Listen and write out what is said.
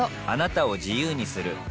あなたを自由にする